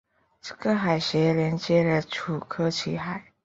这个海峡连接了楚科奇海。